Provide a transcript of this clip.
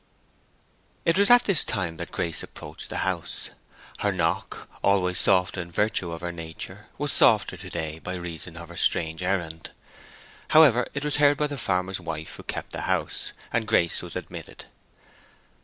It was at this time that Grace approached the house. Her knock, always soft in virtue of her nature, was softer to day by reason of her strange errand. However, it was heard by the farmer's wife who kept the house, and Grace was admitted.